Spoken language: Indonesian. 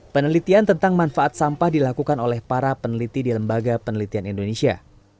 penelitian tentang manfaat sampah dilakukan oleh para peneliti di lembaga penelitian indonesia